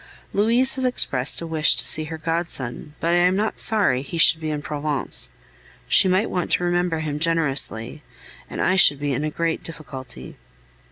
Louise has expressed a wish to see her godson, but I am not sorry he should be in Provence; she might want to remember him generously, and I should be in a great difficulty.